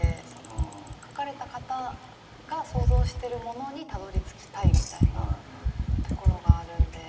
書かれた方が想像してるものにたどりつきたいみたいなところがあるんで。